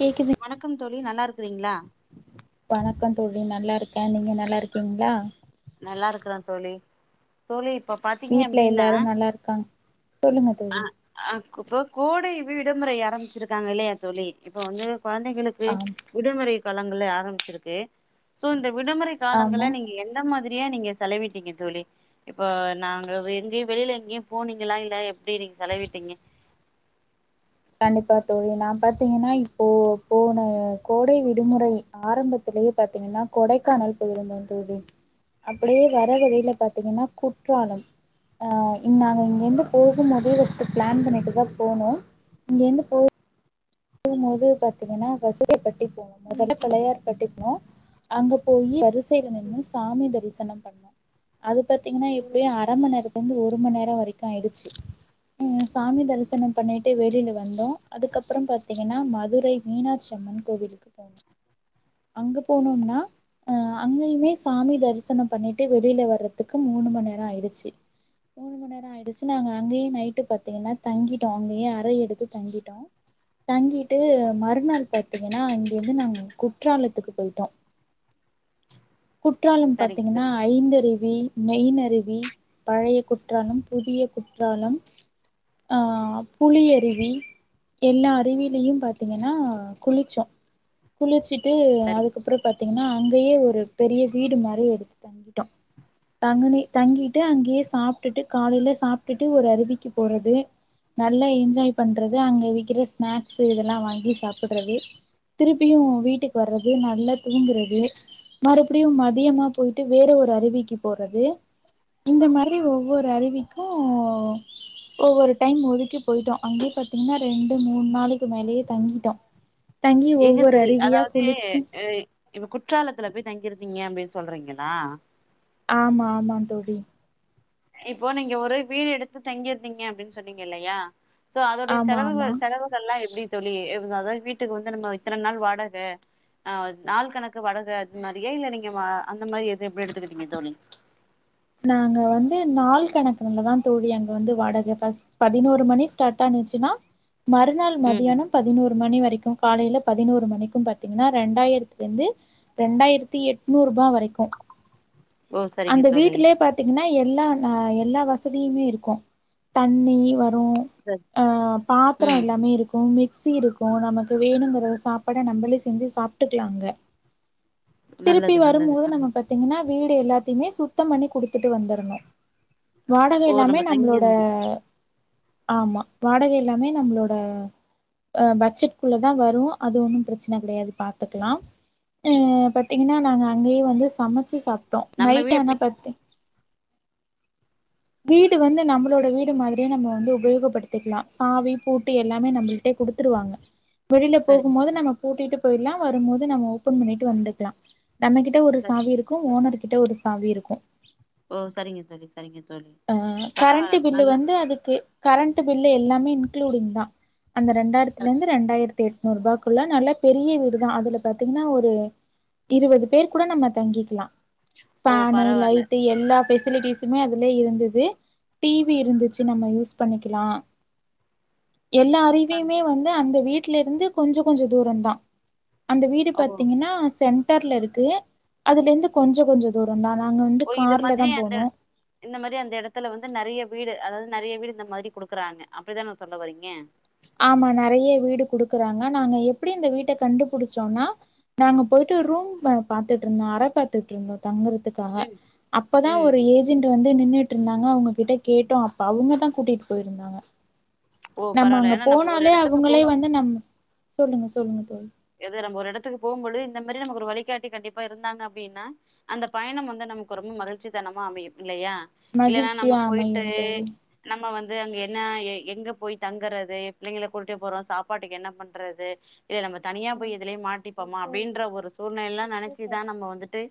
கேக்கிது வணக்கம் தோழி நல்லா இருக்குறீங்களா வணக்கம் தோழி நல்லா இருக்கே நீங்க நல்லா இருக்கீங்களா நல்லா இருக்கறே தோழி தோழி இப்ப பாத்தீங்க வீட்ல அப்டின்னா எல்லாரு நல்லா இருக்காங் சொல்லுங்க அ தோழி அ இப்ப கோடைவிடுமுறை ஆரம்பிச்சிருக்காங்க இல்லையா தோழி இப்ப வந்து குழந்தைகளுக் வி ஆம் விடுமுறை காலங்கள் ஆரம்பிச்சிருக்கு சோ இந்த விடுமுறை காலங்கள ஆமா நீங்க என்ன எந்த மாதிரியா நீங்க செலவிட்டீங்க தோழி இப்போ நாங்க எங்கேயு வெளியில எங்கேயு போனீங்கலா இல்ல எப்டி நீங்க செலவிட்டீங்க கண்டிப்பா தோழி நா பாத்தீங்கன்னா இப்போ போன கோடை விடுமுறை ஆரம்பத்திலேயே பாத்தீங்கன்னா கொடைக்கானல் போயிருந்தோ தோழி அப்டியே வர வழியில பாத்தீங்கன்னா குற்றாலம் அ இன் நாங்க இங்கிருந்து போகும்போதே ஃபஸ்ட்டு பிளான் பண்ணிட்டு தா போனோம் இங்கேருந்து போ போகும்போது பார்த்தீங்கன்னா [unintelligible] [unintelligible] போம் முதல்ல [unintelligible] கட்டிப்போ அங்க போய் வரிசையில நின்னு சாமி தரிசனோ பண்ணோ அது பாத்தீங்கன்னா எப்பயு அரமண் நேரத்க் வந்து ஒரு மணி நேரோ வரைக்கு ஆயிடுச்சு சாமி தரிசனம் பண்ணிட்டு வெளியில வந்தோம் அதுக்கப்புறம் பாத்தீங்கன்னா மதுரை மீனாட்சி அம்மன் கோவிலுக்கு போனோம் அங்க போனோம்னா அ அங்கயுமே சாமி தரிசனம் பண்ணிட்டு வெளியில வர்றதுக்கு மூணு மணி நேரம் ஆயிடுச்சு மூணு மணி நேரம் ஆயிடுச்சு நா அங்கேயே நைட்டு பாத்தீங்கன்னா தங்கிட்டோம் அங்கேயும் அறை எடுத்து தங்கிட்டோம் தங்கிட்டு மறுநாள் பாத்தீங்கன்னா அங்கிருந்து நாங்கள் குற்றாலத்துக்கு போயிட்டோம் குற்றாலம் சரிங்க பாத்தீங்கன்னா தோழி ஐந்தருவி மெய்னருவி பழைய குற்றாலம் புதிய குற்றாலம் அ புளியருவி எல்லா அறிவியிலயும் பாத்தீங்கன்னா குளிச்சோம் குளிச்சிட்டு சரிங்க அதுக்கப்புறம் பாத்தீங்கன்னா அங்கேயே ஒரு பெரிய வீடு மாதிரி எடுத்து தங்கி டோம் [unintelligible] தங்கிட்டு அங்கேயே சாப்ட்டுட்டு காலையில சாப்ட்டுட்டு ஒரு அருவிக்கு போறது நல்லா என்ஜாய் பண்றது அங்க விக்கிற ஸ்நாக்ஸு இதெல்லா வாங்கி சாப்டுறது திருப்பியு வீட்டுக்கு வர்றது நல்லா தூங்குறது மறுபடியு மதியமா போயிட்டு வேற ஒரு அருவிக்கு போறது இந்த மாரி ஒவ்வொரு அருவிக்கு ஒவ்வொரு டைம் ஒதுக்கி போயிட்டோ அங்கேயே பாத்தீங்கன்னா ரெண்டு மூணு நாளுக்கு மேலேயே தங்கிட்டோம் [inaudible] எங்க தோழி அதாவது குளிச்சு இப்ப குற்றாலத்துல போய் தங்கிருந்தீங்க அப்டின்னு சொல்றீங்களா ஆமா ஆமா தோழி இப்போ நீங்க ஒரு வீடு எடுத்து தங்கியிருந்தீங்க அப்டின்னு சொன்னீங்க இல்லையா சோ அதோடைய ஆமா ஆமா செலவுகள் செலவுகள் எல்லாம் எப்டி தோழி அதாவது வீட்டுக்கு வந்து நம்ம இத்தனை நாள் வாடகை ஆ நாள் கணக்கு வாடக அது மாதிரியே இல்ல நீங்க அந்த மாதிரி எது எப்டி எடுத்துக்கிறீங்க தோழி நாங்க வந்து நாள் கணக்குல தா தோழி அங்க வந்து வாடகை பதினோரு மணி ஸ்டார்ட் ஆச்சின்னா மறுநாள் ம் மதியானம் பதினோரு மணி வரைக்கும் காலையில பதினோரு மணிக்கும் பாத்தீங்கன்னா ரெண்டாயிரத்துல இருந்து ரெண்டாயிரத்தி எண்ணூறு ரூபாய் வரைக்கும் ஓ சரிங்க தோழி பாத்தீங்கன்னா எல்லா எல்லா வசதியுமே இருக்கும் தண்ணீ வரும் சரி. அ பாத்திரம் ம் எல்லாமே இருக்கும் மிக்ஸி இருக்கும் இப்போ நமக்கு வேணுங்கிற சாப்பாட நம்மளே செஞ்சு சாப்ட்டுக்கலாம் அங்க திருப்பி நல்லது நல்லது வரும்போது ஆ. நம்ம பாத்தீங்கன்னா வீடு எல்லாத்தையுமே சுத்தம் பண்ணி குடுத்துட்டு வந்துரணும் வாடகை ஓ நம்ம எல்லாமே நம்பளோட தங்கிருந்து ஆமா வாடகை எல்லாமே நம்ளோட ஆ பட்ஜெட்குள்ள தா வரும் அது ஒன்னும் பிரச்சனை கெடையாது பாத்துக்கலாம் உம் பாத்தீங்கன்னா நாங்க அங்கயே வந்து சமைச்சி சாப்பிட்டோம் நம்ம நைட் வீடு ஆனா எப்டி பாத்தீ வீடு வந்து நம்மளோட வீடு மாதிரியே நம்ம வந்து உபயோகப்படுத்திக்கலாம் சாவி பூட்டு எல்லாமே நம்பளிட்டே குடுத்துருவாங்க வெளியில சரிங்க போகும்போது நம்ம பூட்டிட்டு போயிடலாம் வரும்போது நம்ம ஓப்பன் பண்ணிட்டு வந்துக்கலாம் நம்மகிட்ட ஒரு சரி சாவி இருக்கும் ஓனர் கிட்ட ஒரு சாவி இருக்கும் ஓ சரிங்க தோழி சரிங்க தோழி ஆ கரண்ட பரவால்ல பில்லு நல்லா வந்து அதுக்கு கரண்ட் பில்லு எல்லாமே இங்ளூடிங் தா அந்த ரெண்டாயிரத்துல இருந்து ரெண்டாயிரத்து எண்ணூறு ரூபாய்க்குள்ள நல்லா பெரிய வீடு தா அதுல பாத்தீங்கன்னா ஒரு இருபது பேர் கூட நம்ம தங்கிக்கலாம் ஓ ஃபேனு பரவால்ல லைட்டு எல்லா பெசிலிட்டிஸ்மே அது லே இருந்தது டி வி இருந்துச்சி நம்ம யூஸ் பண்ணிக்கலா எல்லா பர அருவியுமே வந்து அந்த வீட்டு்ல இருந்து கொஞ்சோ கொஞ்சோ தூரோந்தா அந்த வீடு ஓ பாத்தீங்கன்னா சென்டர்ல இருக்கு அதுல இருந்து கொஞ்சோ கொஞ்சோ தூரோந்தா நாங்க வந்து ஓ இது கார்ல தா மாதிரி அந்த போனோ இந்த மாரி அந்த இடத்துல வந்து நெறைய வீடு அதாவது நெறைய வீடு இந்த மாரி குடுக்குறாங்க அப்படிதானே சொல்ல வரீங்க ஆமா நெறைய வீடு குடுக்கறாங்க நாங்க எப்டி இந்த வீட்ட கண்டுபிடிச்சோனா நாங்க போயிட்டு ரூம்ம பாத்துட்ருந்தோ அர பத் த்திட்ருந்தோ தங்கறதுக்காக ம் அப்பதா ம் ஒரு ஏஜ் ஜென்ட்டு வந்து நின்னுட்ருந்தாங்க அவுங்க கிட்ட கேட்டோ அப்ப அவுங்க தா கூட்டிட் போயிருந்தாங்க ஓ நம்ம பரவால்ல அங்க ஏன்னா நம்ம ஒரு போனாலே எடத்துக்கு அவுங்களே போவோ வந்து நம்ம சொல்லுங்க சொல்லுங்க தோழி எதோ நம்ம ஒரு எடத்துக்கு போம்போழுது இந்த மாரி நமக்கு ஒரு வழிகாட்டி கண்டிப்பா இருந்தாங்க அப்டின்னா அந்த பயணம் வந்து நமக்கு ரொம்ப மகிழ்ச்சி தனமா அமையும் இல்லையா இல்லைன்னா நம்ம மகிழ்ச்சியா போயிட்டு அமையும் தோழி. நம்ம வந்து அங்க என்ன எ எங்க போய் தங்கறது எ பிள்ளைங்கள கூட்டிட்டே போறோ சாப்பாட்டுக்கு என்ன பண்றது இல்ல நம்ம தனியா போய் எதுலயோ மாட்டிப்போமா அப்டின்ற ஒரு சூழ்நிலை யெல்லா நெனைச்சிதா நம்ம வந்துட்டு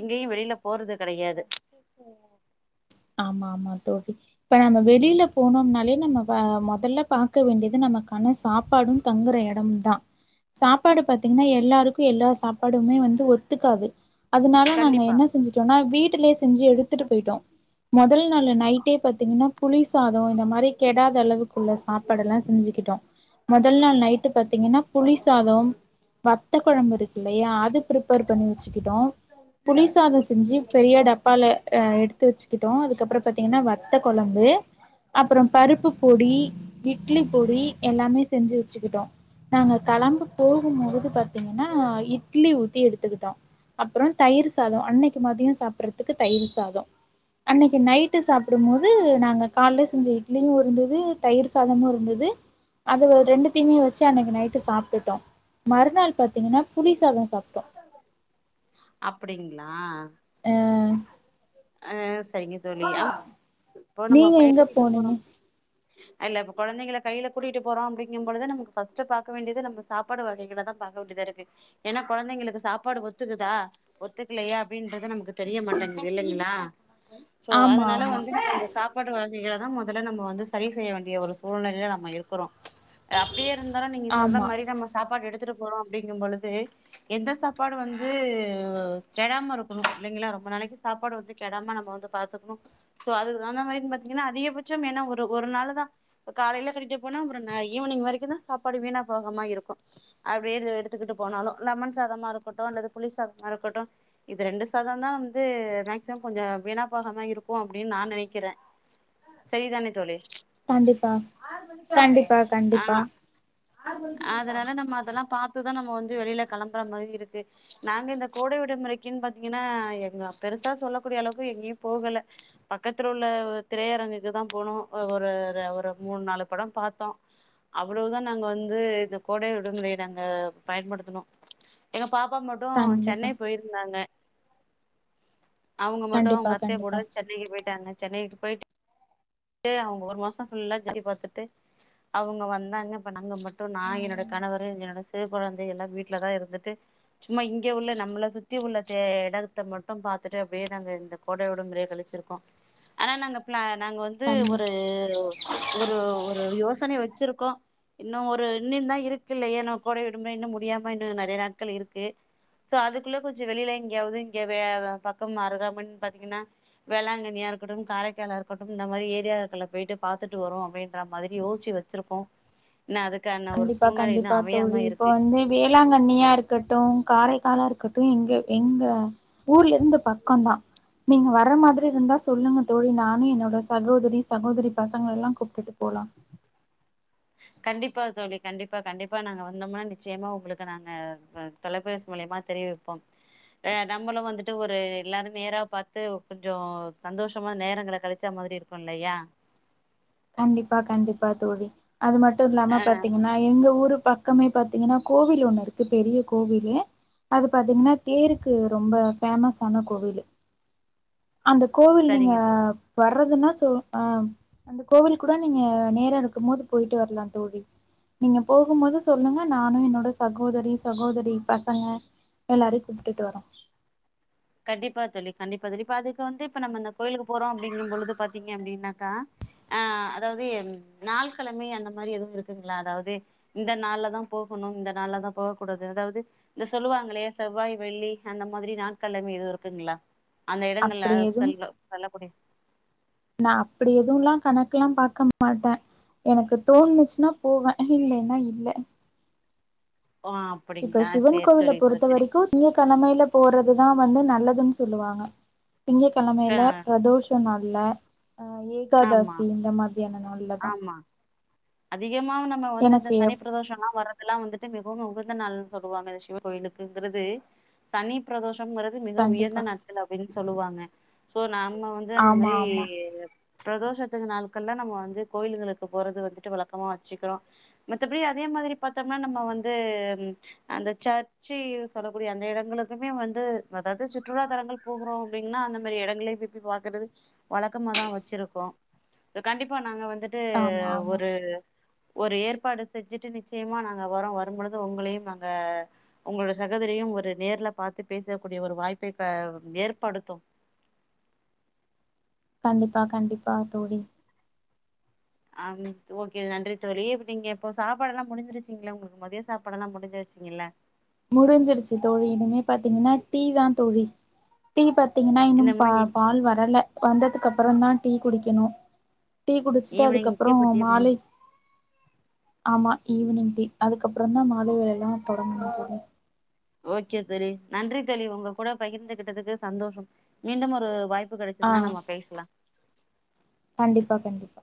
எங்கயு வெளியில போறது கெடையாது ஆமா ஆமா தோழி இப்ப நம்ம வெளியில போனோம்னாலே நம்ம வ மொதல்ல பாக்க வேண்டியது நமக்கான சாப்பாடு தங்குற எடமு தா சாப்பாடு பாத்தீங்கன்னா எல்லாருக்கு எல்லா சாப்பாடுமே வந்து ஒத்துக்காது அதனால நாங்க கண்டிப்பா என்ன செஞ்சுட்டோனா வீட்டுலேயே செஞ்சு எடுத்துட்டு போயிட்டோ மொதல் நாளு நைட்டே பாத்தீங்கன்னா புளி சாதோ இந்த மாரி கெடாத அளவுக் உள்ள சாப்பாடு எல்லா செஞ்சுக்கிட்டோ முதல் நாள் நைட்டு பாத்தீங்கன்னா புளி சாதோ வத்த குழம்பு இருக்கு இல்லையா அத் த் பிரிப்பேர் பண்ணி வச்சுக்கிட்டோ புலி சாதோ செஞ்சு பெரிய டப்பால அ எடுத்து வெச்சு க்கிட்டோ அதுக்கப்புறோ பாத்தீங்கன்னா வத்த கொழம்பு அப்புறம் பருப்பு பொடி இட்லி பொடி எல்லாமே செஞ்சு வச்சுக்கிட்டோ நாங்க கிளம்பு போகும்போது பாத்தீங்கன்னா இட்லி ஊத்தி எடுத்துக்கிட்டோ அப்றோ தயிர் சாதோ அன்னைக்கு மதியோ சாப்டறதுக்கு தயிர் சாதோ அன்னைக்கு நைட்டு சாப்பிடும் போது நாங்க காலைல செஞ்ச இட்லியு இருந்தது தயிர் சாதமு இருந்தது அது ரெண்டுத்தையுமே வெச்சு அன்னைக்கு நைட்டு சாப்டுட்டோ மறுநாள் பாத்தீங்கன்னா புளிசாதோ சாப்டோ அப்டிங்களா ஆ அ சேரிங்க தோழி ஆமா போ நம்ம நீங்க போய் எங்க கூட்டிட்டு போறோ போனீங்க அய்லப் இப்ப குழந்தைங்கள கையில கூட்டிட்டு போறோ அப்டிங்கும் பொழுது நமக்கு ஃபர்ஸ்டு பாக்க வேண்டியது நம்ப சாப் ப்பாடு வகைகள தா பாக்க வேண்டியதா இருக்கு ஏன்னா குழந்தைங்களுக்கு சாப்பாடு ஒத்துக்குதா ஒத்துக்கலையா அப்டின்றது நமக்குத் தெரிய மாட்டேங்குது இல்லைங்களா சோ ஆமா அதனால ஆமா வந்து நா சாப்பாட்டு வகைகள தா முதல்ல நம்ம வந்து சரி செய்ய வேண்டிய ஒரு சூழ்நிலையில நம்ம இருக்கிறோ ம்ச் அப்டியே இருந்தாலு நீங்க சொல்ற ஆமா மாரி நம்ம சாப்பாடு எடுத்துட்டு போறோ அப்டிங்கும் பொழுது எந்த சாப்பாடு வந்து கெடாம இருக்கணு இல்லைங்களா ரொம்ப நாளைக்கு சாப்பாடு வந்து கெடாம நம்ம வந்துப் பாத்துக்கணு சோ அதுக்கு தகுந்த மாரியு பாத்தீங்கன்னா அதிகபட்சம் ஏன்னா ஒரு ஒரு நாளுதா அ காலையில கட்டிட்டு போனா அப்புறோ நா ஈவினிங் வரைக்கு தா சாப்பாடு வீணா போகமா இருக்கு அப்டியே எடு எடுத்துக்கிட்டு போனாலு லெமன் சாதமா இருக்கட்டு அல்லது புலி சாதமா இருக்கட்டு இது ரெண்டு சாதோ தா வந்து மேக்சிமம் கொஞ்ச வீணா போகாம இருக்கும் அப்டின்னு நா நெனைக்கிறே சரிதானே தோழி கண்டிப்பா கண்டிப்பா ஆ கண்டிப்பா அதனால நம்ம அதெல்லா பாத்துதா நம்ம வந்து வெளியில கெளம்புற மாரி இருக்கு நாங்க இந்த கோடை விடுமுறைக்குன்னு பாத்தீங்கன்னா எங்க பெருசா சொல்லக்கூடிய அளவுக்கு எங்கேயு போகல பக்கத்துல உள்ள திரையரங்குக்கு தா போனோ ஒரு ஒரு மூணு நாலு பட பாத்தோ அவ்ளோ தா நாங்க வந் ந்து இந்த கோடை விடுமுறைய நாங்க பயன்படுத்துணோ எங்க பாப்பா மட்டு கண்டிப்பா சென்னை போய் இருந்தாங்க அவங்க மட்டு கண்டிப்பா அவங்க அத்த கூட கண்டிப்பா சென்னைக்கு போயிட்டாங்க சென்னை விட்டு போயிட் டு அவங்க ஒரு மாச ஃபுல்லா சுத்தி பாத்தட்டு அவங்க வந்தாங்க இப்ப நாங்க மட் இப்ப நா என்னோட ம் கணவர் என்னோட சிவ கொழந்தை எல்லா வீட்லதா இருந்துட்டு சும்மா இங்க உள்ள நம்மள சுத்தி உள்ள தே எடத்த மட்டு பாத்துட்டு அப்டியே தாங்க இந்த கோடை விடுமுறைய கழிச்சிருக்கோ ஆனா நாங்க பிளா நாங்க வந் து கண்டி ஒரு ஒரு ஒரு யோசன வெச்சிருக்கோ இன்னு ஒ ரு இன்னு தா இருக்குல்லயா இன்னோ கோடை விடுமுறை இன்னு முடியாம இன்னு நறைய நாட்கள் இருக்கு சோ அதுக்குள்ள கொஞ்ச வெளியில எங்கேயாவது இங்க வே பக்கம் அருகாமன்னு பாத்தீங்கன்னா வேளாங்கண்ணியா இருக்கட்டு காரைக்காலா இருக்கட்டு இந்த மாரி ஏரியாக்கள போயிட்டு பாத்துட்டு வருவு அப்டின்ற மாதிரி யோசிச்சி வெ ச்சிருக்கோ இன்னு அதுக்கான ஒரு கண்டிப்பா சூழ்நெலை இன்னு கண்டிப்பா தோழி அமையாம இப்ப இருக்கு வந்து வேளாங்கண்ணியா இருக்கட்டு காரைக்காலா இருக்கட்டு இங்க எங்க ஊர்ல இருந்து பக்கதா நீங்க வர மாதிரி இருந்தா சொல்லுங்க தோழி நானு என்னோட சகோதரி சகோதரி பசங்கள எல்லா கூப்டுட்டு போலா [inaudible] கண்டிப்பா தோழி கண்டிப்பா கண்டிப்பா நாங்க வந்தோம்னா நிச்சயமா உங்களுக்கு நாங்க வ தொலைபேசி மூலியமா தெரிய வெப்போ நம்மளு வந்துட்டு ஒரு எல்லாரு நேரா பாத்து கொஞ்சோ சந்தோஷமா நேரங்கள கழிச்சா மாரி இருப் போல்லையா கண்டிப்பா கண்டிப்பா தோழி அது மட்டு இல்லாம ஆ பாத்தீங்கன்னா எங்க ஊரு பக்கமே பாத்தீங்கன்னா கோவில் ஒண்ணு இருக்கு பெரிய கோவிலு அது பாத்தீங்கன்னா தேருக்கு ரொம்ப ஃபேமஸ்ஸான கோவிலு அந்த கோவில் நீங்க சரிங்க தோழி வர்றதுன்னா சொ ஆ அந்த கோவில் கூட நீங்க நேர இருக்கும் போது போயிட்டு வர்லா தோழி நீங்க போகும்போது சொல்லுங்க நானு என்னோட சகோதரி சகோதரி பசங்க எல்லாரையு கூப்டுட்டு வரோ கண்டிப்பா தோழி கண்டிப்பா தோழி இப்ப அதுக்கு வந்து இப்ப நம்ம அந்த கோயில்கு போறோ அப்டிங்கும் பொழுது பாத்தீங்க அப்டின்னாக்கா ஆ அதாவது எ நாள் கெழமை அந்த மாரி எதுவு இருக்குங்களா அதாவது இந்த நாள்ல தா போகணு இந்த நாள்லதா போக கூடாது அதாவ்து இந்த சொல்லுவாங்களே செவ்வாய் வெள்ளி அந்த மாதிரி நாள் கெழமை எதுவு இருக்குங்களா அந்த இடங்கல்ல அப்படி எதுவு சொல்ல சொல்ல கூடிய நா அப்டி எதுவுலா கணக்குல்லா பாக்க மாட்டே எனக்கு தோணுச்சுன்னா போவே இல்லைன்னா இல்ல ஓ இப்ப அப்படிங்களா சிவன் சேரி கோவில தோழி சேரி பொறுத்த தோழி வரைக்கு திங்க கெழமையில போறது தா வந்து நல்லதுன்னு சொல்லுவாங்க திங்க கெழமையில பிரதோஷ் நாள்ல அ ஆமா ஏகாதாசி இந்த மாதிரியான நாள்ல தா அதிகமாவு நம்ம வந்து இந்த எனக்கு எப் சனி பிரதோஷலா வர்ற குல்லா வந்துட்டு மிகவு உகந்த நாள்னு சொல்லுவாங்க சிவ கோயிலுக்குங்குறது சனி பிரதோஷொங்குற து மிக உயர்ந்த கண்டிப்பா நாட்கள் அப்டின்னு சொல்லுவாங்க சோ நாம வந்து அந்த ஆமா மாரி ஆமா பிரதோஷத்து நாட்கள்ல நம்ம வந்து கோயிலுகளுக்கு போறது வந்துட்டு வழக்கமா வச்சுக்கிறோ மத்தபடி அதே மாதிரி பாத்தோம்னா நம்ம வந்து அந்த சேர் ச்சி சொல்லக்கூடிய அந்த எடங்களுக்குமே வந்து அதாவது சுற்றுலா தலங்கள் போகுறோ அப்படின்னா அந்த மாதிரி எடங்களையு விக் த்தி பாக்கறது வழக்கமா தா வச்சிருக்கோ இப்ப கண்டிப்பா நாங்க வந்துட்டு ஆமா ஆமா ஒரு து ஒரு ஏற்பாடு செஞ்சுட்டு நிச்சயமா நாங்க வரறோ வரும்பொழுது உங்களையு நாங்க உங்களோட சகோதரியு ஒரு நேர்ல பாத்து பேசக்கூடிய ஒரு வாய்ப்பை ஏற்படுத்து கண்டிப்பா கண்டிப்பா தோழி ஆ ம் ஓகே நன்றி தோழி இப்ப நீங்க இப்போ சாப்பாடுல்லா முடிஞ்சிருச்சீங்கள உங்களுக்கு மதிய சாப்பாடெல்லா முடிஞ்சிருச்சிங்ள முடிஞ்சிருச்சு தோழி இனிமே பாத்தீங்கன்னா டீ தா தோழி டீ பாத்தீங்கன்னா இன்னு பா இன்னமு ஈ பால் வரல வந்ததுக்கு அப்புறோ தா டீ குடிக்கணு டீ குடிச்சுட்டு அதுக்கப்புறோ ஈவினிங்க்கு இப்ப டீ மாலை ஆமா ஈவினிங் டீ அதுக்கப்புறோ தா மால வேலைல்லா தொடங்கு மட்டுமே ஓகே தோழி நன்றி தோழி உங்க கூட பகிர்ந்துகிட்டதுக்கு சந்தோஷம் மீண்டும் ஒரு வாய் ப்பு ஆ கெடச்சிதுனா நம்ம பேசலா கண்டிப்பா கண்டிப்பா